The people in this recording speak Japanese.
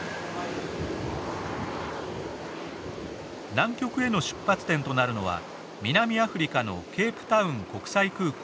南極への出発点となるのは南アフリカのケープタウン国際空港。